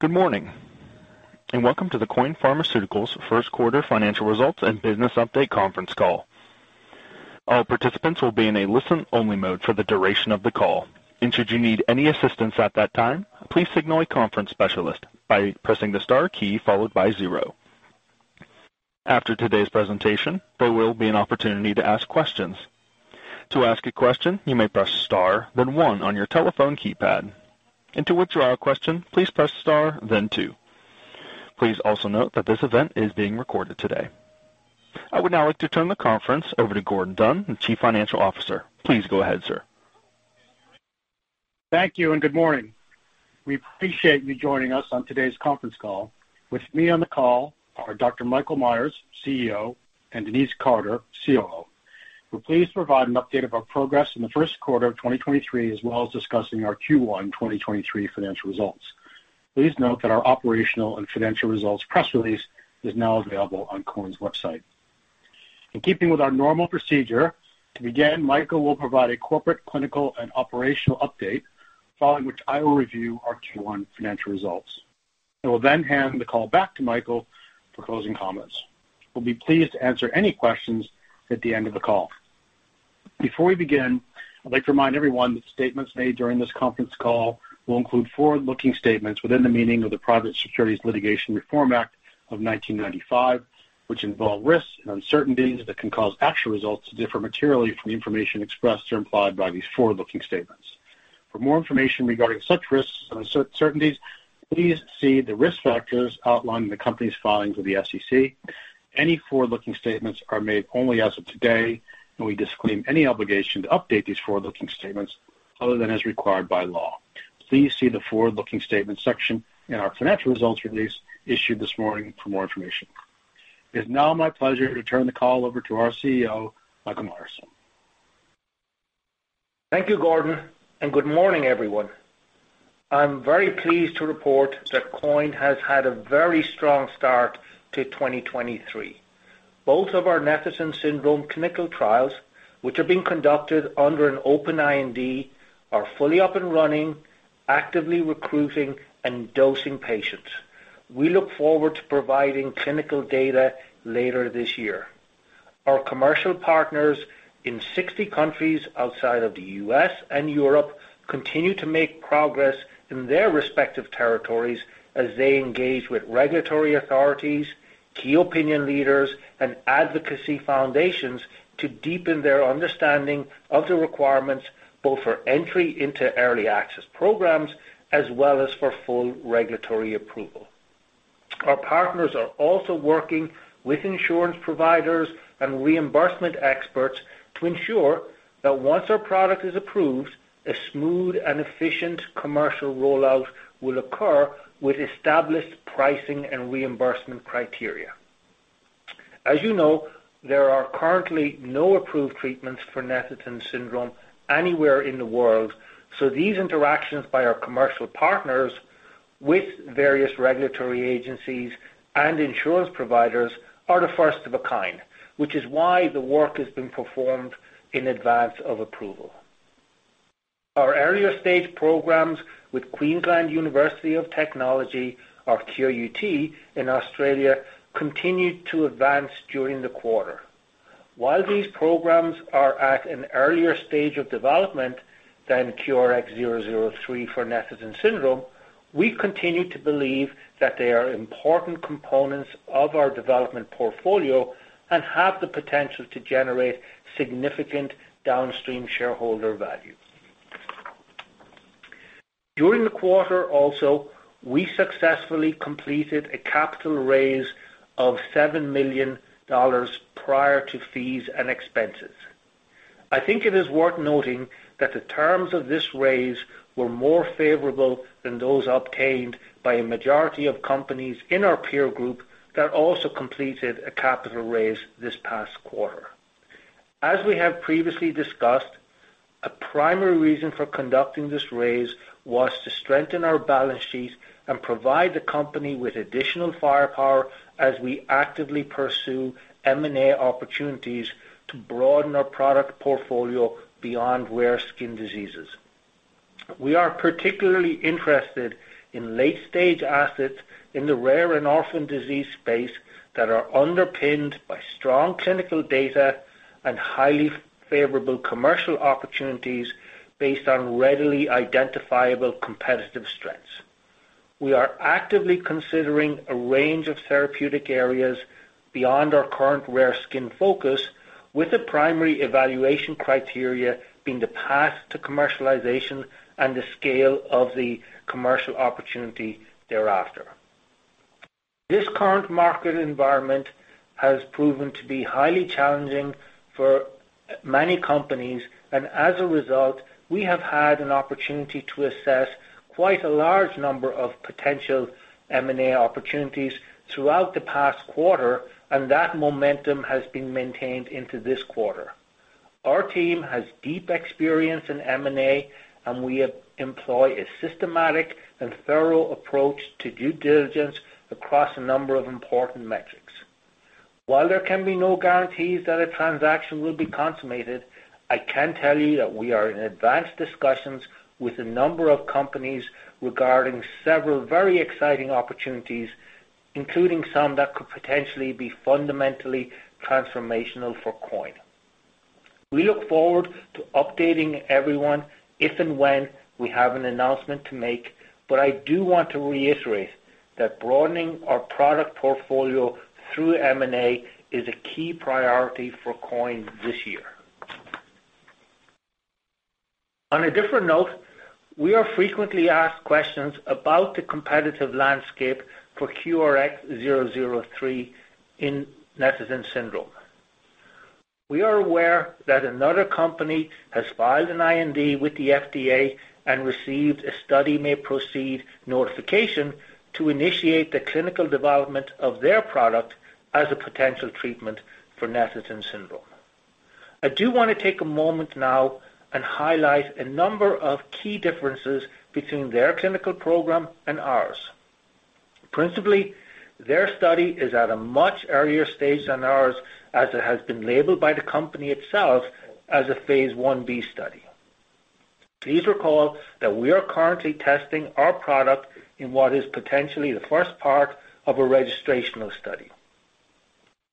Good morning, and welcome to the Quoin Pharmaceuticals first quarter financial results and business update conference call. All participants will be in a listen-only mode for the duration of the call. Should you need any assistance at that time, please signal a conference specialist by pressing the star key followed by zero. After today's presentation, there will be an opportunity to ask questions. To ask a question, you may press Star, then one on your telephone keypad. To withdraw a question, please press Star then two. Please also note that this event is being recorded today. I would now like to turn the conference over to Gordon Dunn, the Chief Financial Officer. Please go ahead, sir. Thank you. Good morning. We appreciate you joining us on today's conference call. With me on the call are Dr. Michael Myers, CEO, and Denise Carter, COO. We're pleased to provide an update of our progress in the 1st quarter of 2023, as well as discussing our Q1 2023 financial results. Please note that our operational and financial results press release is now available on Quoin's website. In keeping with our normal procedure, to begin, Michael will provide a corporate, clinical, and operational update, following which I will review our Q1 financial results. I will then hand the call back to Michael for closing comments. We'll be pleased to answer any questions at the end of the call. Before we begin, I'd like to remind everyone that statements made during this conference call will include forward-looking statements within the meaning of the Private Securities Litigation Reform Act of 1995, which involve risks and uncertainties that can cause actual results to differ materially from the information expressed or implied by these forward-looking statements. For more information regarding such risks and uncertainties, please see the risk factors outlined in the company's filings with the SEC. We disclaim any obligation to update these forward-looking statements other than as required by law. Please see the forward-looking statements section in our financial results release issued this morning for more information. It's now my pleasure to turn the call over to our CEO, Michael Myers. Thank you, Gordon, and good morning, everyone. I'm very pleased to report that Quoin has had a very strong start to 2023. Both of our Netherton Syndrome clinical trials, which are being conducted under an open IND, are fully up and running, actively recruiting and dosing patients. We look forward to providing clinical data later this year. Our commercial partners in 60 countries outside of the U.S. and Europe continue to make progress in their respective territories as they engage with regulatory authorities, key opinion leaders, and advocacy foundations to deepen their understanding of the requirements, both for entry into early access programs as well as for full regulatory approval. Our partners are also working with insurance providers and reimbursement experts to ensure that once our product is approved, a smooth and efficient commercial rollout will occur with established pricing and reimbursement criteria. As you know, there are currently no approved treatments for Netherton Syndrome anywhere in the world. These interactions by our commercial partners with various regulatory agencies and insurance providers are the first of a kind, which is why the work has been performed in advance of approval. Our earlier-stage programs with Queensland University of Technology or QUT in Australia continued to advance during the quarter. While these programs are at an earlier stage of development than QRX003 for Netherton Syndrome, we continue to believe that they are important components of our development portfolio and have the potential to generate significant downstream shareholder value. During the quarter also, we successfully completed a capital raise of $7 million prior to fees and expenses. I think it is worth noting that the terms of this raise were more favorable than those obtained by a majority of companies in our peer group that also completed a capital raise this past quarter. As we have previously discussed, a primary reason for conducting this raise was to strengthen our balance sheet and provide the company with additional firepower as we actively pursue M&A opportunities to broaden our product portfolio beyond rare skin diseases. We are particularly interested in late-stage assets in the rare and orphan disease space that are underpinned by strong clinical data and highly favorable commercial opportunities based on readily identifiable competitive strengths. We are actively considering a range of therapeutic areas beyond our current rare skin focus, with the primary evaluation criteria being the path to commercialization and the scale of the commercial opportunity thereafter. This current market environment has proven to be highly challenging for many companies, and as a result, we have had an opportunity to assess quite a large number of potential M&A opportunities throughout the past quarter, and that momentum has been maintained into this quarter. Our team has deep experience in M&A, and we employ a systematic and thorough approach to due diligence across a number of important metrics. While there can be no guarantees that a transaction will be consummated, I can tell you that we are in advanced discussions with a number of companies regarding several very exciting opportunities, including some that could potentially be fundamentally transformational for Quoin. We look forward to updating everyone if and when we have an announcement to make. I do want to reiterate that broadening our product portfolio through M&A is a key priority for Quoin this year. On a different note, we are frequently asked questions about the competitive landscape for QRX003 in Netherton Syndrome. We are aware that another company has filed an IND with the FDA and received a study may proceed notification to initiate the clinical development of their product as a potential treatment for Netherton Syndrome. I do want to take a moment now and highlight a number of key differences between their clinical program and ours. Principally, their study is at a much earlier stage than ours as it has been labeled by the company itself as a Phase 1b study. Please recall that we are currently testing our product in what is potentially the first part of a registrational study.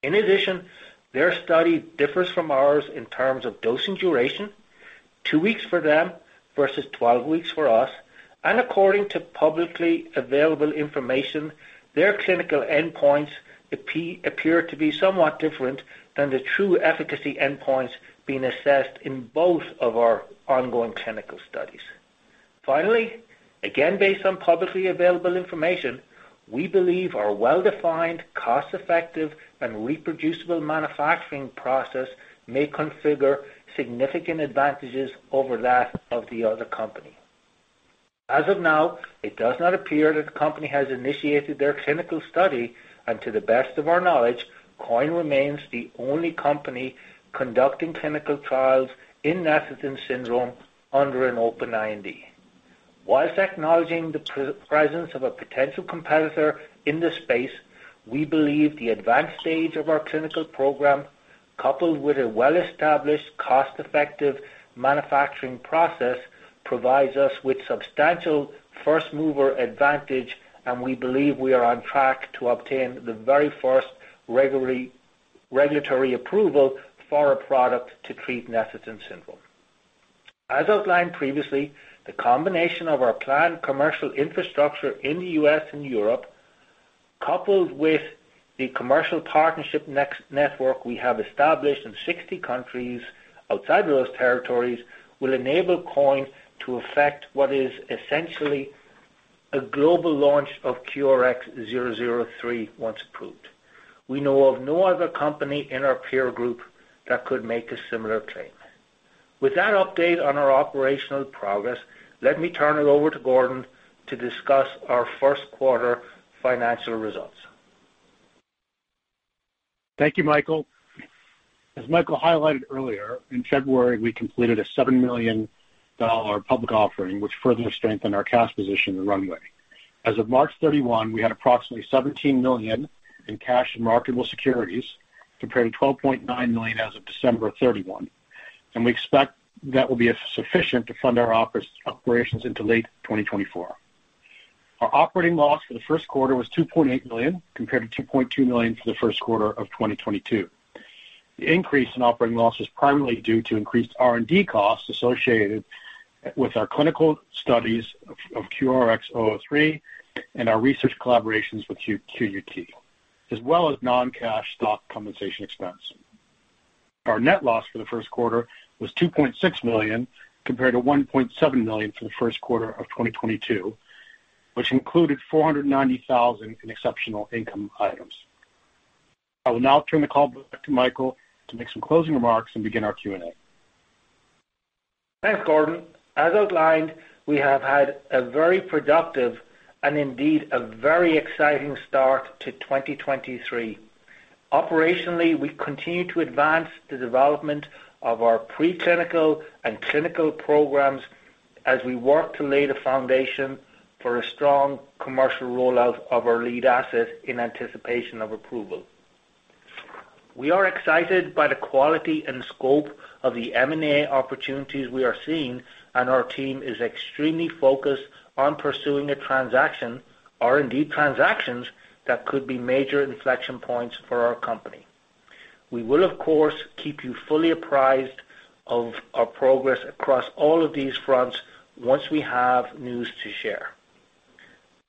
In addition, their study differs from ours in terms of dosing duration, 2 weeks for them versus 12 weeks for us. According to publicly available information, their clinical endpoints appear to be somewhat different than the true efficacy endpoints being assessed in both of our ongoing clinical studies. Finally, again, based on publicly available information, we believe our well-defined, cost-effective, and reproducible manufacturing process may configure significant advantages over that of the other company. As of now, it does not appear that the company has initiated their clinical study, and to the best of our knowledge, Quoin remains the only company conducting clinical trials in Netherton Syndrome under an open IND. Whilst acknowledging the pre-presence of a potential competitor in this space, we believe the advanced stage of our clinical program, coupled with a well-established, cost-effective manufacturing process, provides us with substantial first mover advantage, and we believe we are on track to obtain the very first regulatory approval for a product to treat Netherton Syndrome. As outlined previously, the combination of our planned commercial infrastructure in the U.S. and Europe, coupled with the commercial partnership next network we have established in 60 countries outside of those territories, will enable Quoin to affect what is essentially a global launch of QRX003 once approved. We know of no other company in our peer group that could make a similar claim. With that update on our operational progress, let me turn it over to Gordon to discuss our first quarter financial results. Thank you, Michael. As Michael highlighted earlier, in February, we completed a $7 million public offering, which further strengthened our cash position and runway. As of March 31, we had approximately $17 million in cash and marketable securities, compared to $12.9 million as of December 31. We expect that will be sufficient to fund our office operations into late 2024. Our operating loss for the first quarter was $2.8 million, compared to $2.2 million for the first quarter of 2022. The increase in operating loss is primarily due to increased R&D costs associated with our clinical studies of QRX003 and our research collaborations with QUT, as well as non-cash stock compensation expense. Our net loss for the first quarter was $2.6 million, compared to $1.7 million for the first quarter of 2022, which included $490,000 in exceptional income items. I will now turn the call back to Michael to make some closing remarks and begin our Q&A. Thanks, Gordon. As outlined, we have had a very productive and indeed a very exciting start to 2023. Operationally, we continue to advance the development of our pre-clinical and clinical programs as we work to lay the foundation for a strong commercial rollout of our lead assets in anticipation of approval. We are excited by the quality and scope of the M&A opportunities we are seeing. Our team is extremely focused on pursuing R&D transactions that could be major inflection points for our company. We will of course keep you fully apprised of our progress across all of these fronts once we have news to share.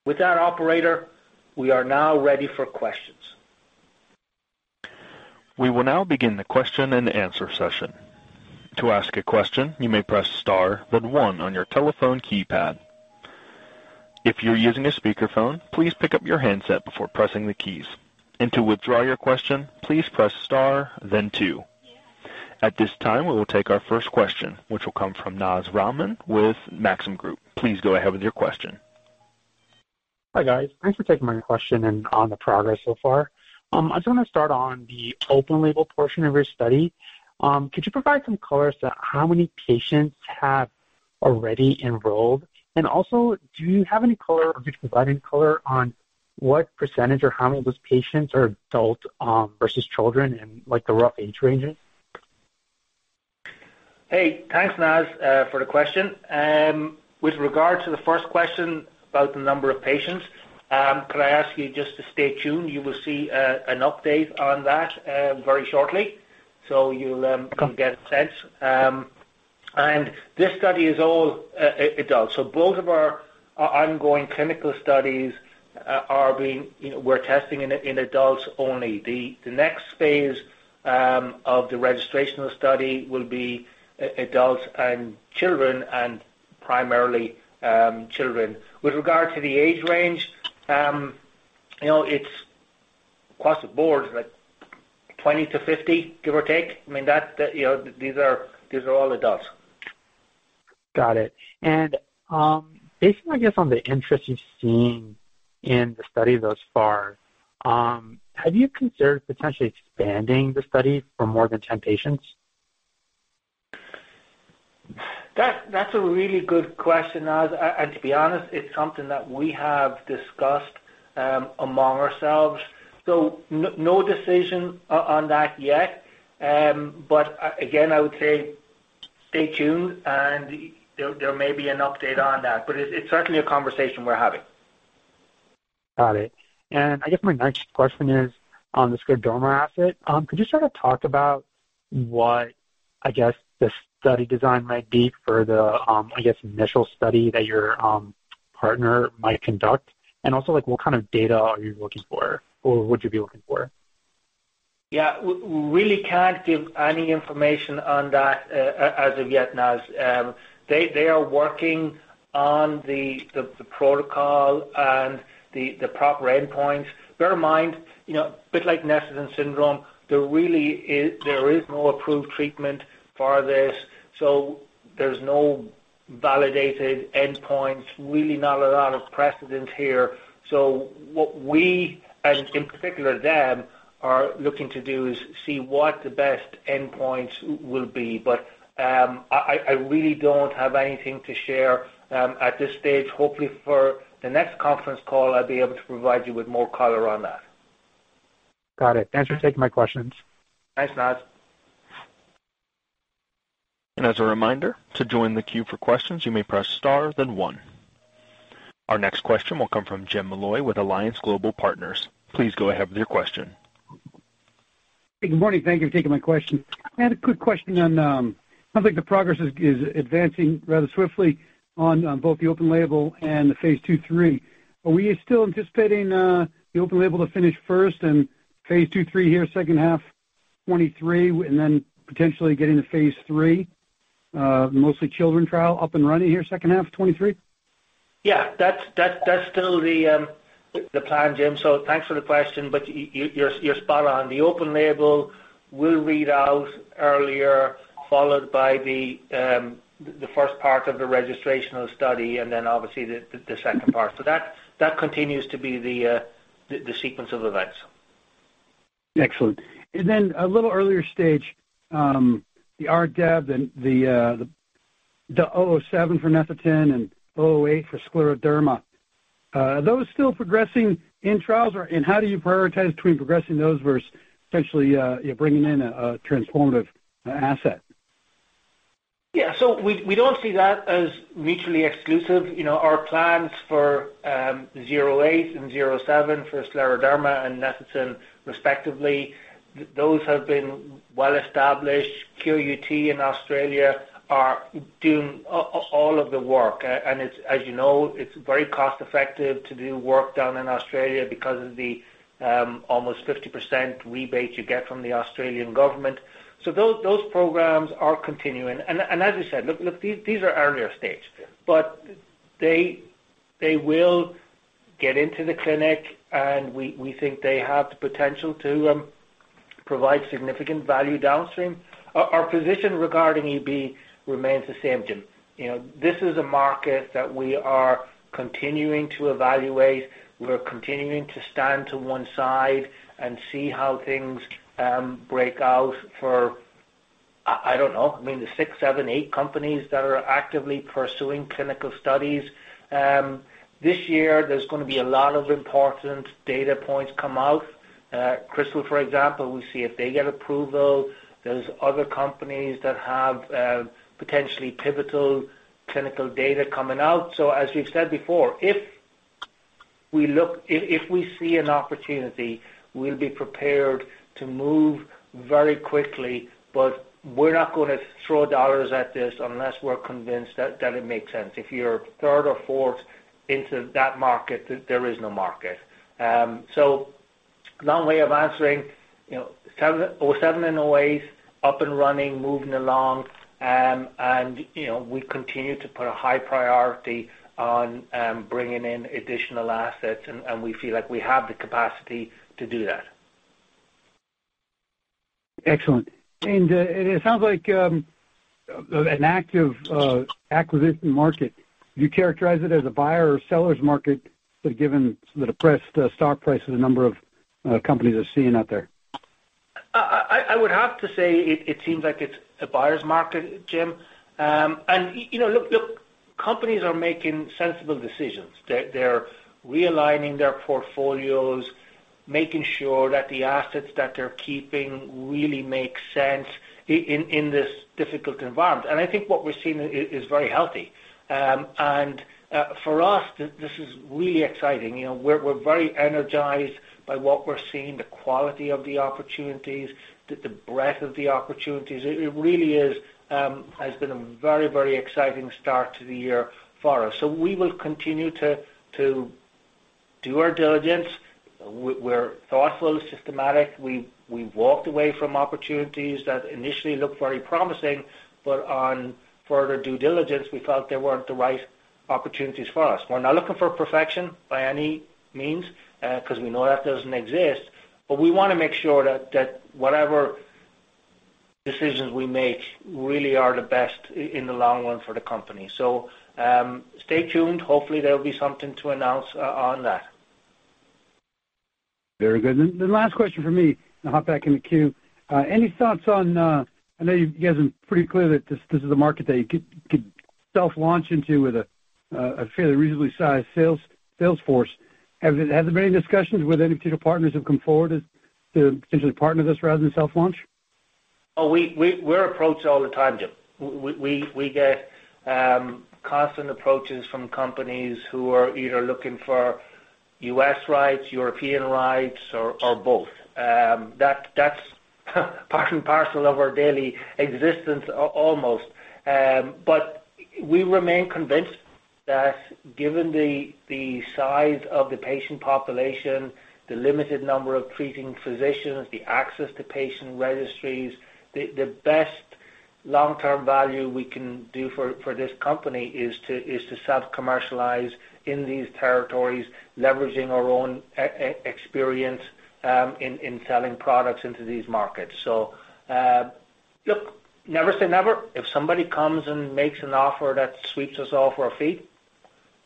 With that operator, we are now ready for questions. We will now begin the question and answer session. To ask a question, you may press Star then one on your telephone keypad. If you're using a speakerphone, please pick up your handset before pressing the keys. To withdraw your question, please press Star then two. At this time, we will take our first question, which will come from Naz Rahman with Maxim Group. Please go ahead with your question. Hi, guys. Thanks for taking my question and on the progress so far. I just want to start on the open label portion of your study. Could you provide some color as to how many patients have already enrolled? Also, do you have any color or could you provide any color on what percentage or how many of those patients are adult, versus children and like the rough age ranges? Hey, thanks, Naz, for the question. With regard to the first question about the number of patients, could I ask you just to stay tuned? You will see an update on that very shortly. You'll get a sense. This study is all a-adult. Both of our ongoing clinical studies, we're testing in adults only. The next phase of the registrational study will be a-adults and children, and primarily children. With regard to the age range, you know, it's across the board, like 20 to 50, give or take. I mean, that's the, you know, these are all adults. Got it. Based on, I guess, on the interest you've seen in the study thus far, have you considered potentially expanding the study for more than 10 patients? That's a really good question, Naz. To be honest, it's something that we have discussed among ourselves. No decision on that yet. Again, I would say stay tuned, and there may be an update on that. It's certainly a conversation we're having. Got it. I guess my next question is on the scleroderma asset. Could you sort of talk about what, I guess, the study design might be for the, I guess, initial study that your partner might conduct? Also, like, what kind of data are you looking for or would you be looking for? Yeah. We really can't give any information on that, as of yet, Naz. They are working on the protocol and the proper endpoints. Bear in mind, you know, a bit like Netherton Syndrome, there really is no approved trea.ment for this, so there's no validated endpoints, really not a lot of precedent here. What we and, in particular them, are looking to do is see what the best endpoints will be. I really don't have anything to share at this stage. Hopefully for the next conference call, I'll be able to provide you with more color on that. Got it. Thanks for taking my questions. Thanks, Naz. As a reminder, to join the queue for questions, you may press star then one. Our next question will come from James Molloy with Alliance Global Partners. Please go ahead with your question. Good morning. Thank you for taking my question. I had a quick question on. Sounds like the progress is advancing rather swiftly on both the open label and the Phase 2/3. Are we still anticipating the open label to finish first and Phase 2/3 here second half 2023, and then potentially getting to Phase 3, mostly children trial up and running here second half 2023? Yeah. That's still the plan, Jim. Thanks for the question. You're spot on. The open label will read out earlier, followed by the first part of the registrational study and then obviously the second part. That continues to be the sequence of events. Excellent. A little earlier stage, the RDEB and the QRX007 for Netherton Syndrome and QRX008 for scleroderma. Are those still progressing in trials? How do you prioritize between progressing those versus potentially you bringing in a transformative asset? We don't see that as mutually exclusive. You know, our plans for zero eight and zero seven for scleroderma and Netherton respectively, those have been well established. QUT in Australia are doing all of the work. It's as you know, it's very cost effective to do work done in Australia because of the almost 50% rebate you get from the Australian government. Those programs are continuing. As you said, look, these are earlier stages, but they will get into the clinic, and we think they have the potential to provide significant value downstream. Our position regarding EB remains the same, Jim. You know, this is a market that we are continuing to evaluate. We're continuing to stand to one side and see how things break out for, I don't know, I mean, the 6, 7, 8 companies that are actively pursuing clinical studies. This year there's gonna be a lot of important data points come out. Krystal, for example, we'll see if they get approval. There's other companies that have potentially pivotal clinical data coming out. As we've said before, if we see an opportunity, we'll be prepared to move very quickly, but we're not gonna throw $ at this unless we're convinced that it makes sense. If you're third or fourth into that market, there is no market. Long way of answering, you know, 007 and 008 up and running, moving along. you know, we continue to put a high priority on, bringing in additional assets and we feel like we have the capacity to do that. Excellent. It sounds like an active acquisition market. Do you characterize it as a buyer or seller's market, given the depressed stock prices a number of companies are seeing out there? I would have to say it seems like it's a buyer's market, Jim. You know, companies are making sensible decisions. They're realigning their portfolios, making sure that the assets that they're keeping really make sense in this difficult environment. I think what we're seeing is very healthy. For us, this is really exciting. You know, we're very energized by what we're seeing, the quality of the opportunities, the breadth of the opportunities. It really is has been a very exciting start to the year for us. We will continue to do our diligence. We're thoughtful, systematic. We've walked away from opportunities that initially looked very promising, but on further due diligence, we felt they weren't the right opportunities for us. We're not looking for perfection by any means, 'cause we know that doesn't exist. We wanna make sure that whatever decisions we make really are the best in the long run for the company. Stay tuned. Hopefully, there'll be something to announce on that. Very good. The last question from me, and I'll hop back in the queue. Any thoughts on, I know you guys are pretty clear that this is a market that you could self-launch into with a fairly reasonably sized sales force? Have there been any discussions with any potential partners who've come forward as to potentially partner this rather than self-launch? Oh, we're approached all the time, Jim Molloy. We get constant approaches from companies who are either looking for U.S. rights, European rights or both. That's part and parcel of our daily existence almost. We remain convinced that given the size of the patient population, the limited number of treating physicians, the access to patient registries, the best long-term value we can do for this company is to self-commercialize in these territories, leveraging our own experience in selling products into these markets. Look, never say never. If somebody comes and makes an offer that sweeps us all for a fee,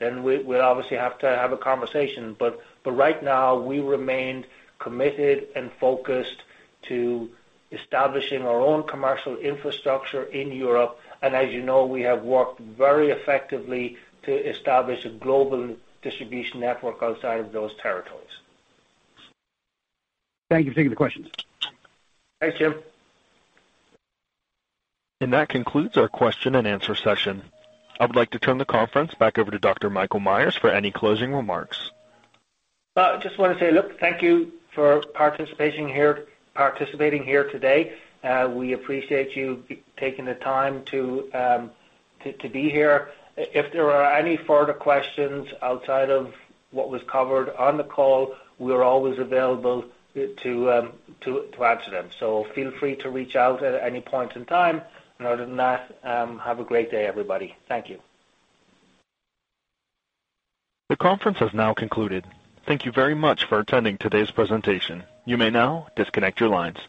then we'll obviously have to have a conversation. Right now, we remain committed and focused to establishing our own commercial infrastructure in Europe. As you know, we have worked very effectively to establish a global distribution network outside of those territories. Thank you for taking the questions. Thanks, Jim. That concludes our question and answer session. I would like to turn the conference back over to Dr. Michael Myers for any closing remarks. Well, I just wanna say look, thank you for participating here today. We appreciate you taking the time to be here. If there are any further questions outside of what was covered on the call, we are always available to answer them. Feel free to reach out at any point in time. Other than that, have a great day, everybody. Thank you. The conference has now concluded. Thank you very much for attending today's presentation. You may now disconnect your lines.